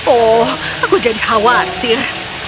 oh aku jadi khawatir